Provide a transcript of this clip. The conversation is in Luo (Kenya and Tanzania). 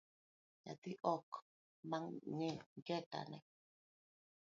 Nyathi ok ma ngeta ne